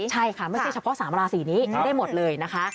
ใช่ค่ะไม่ใช่เฉพาะ๓ราศีนี้ได้หมดเลยนะคะ